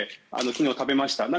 昨日、食べました。